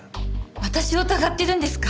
私を疑ってるんですか？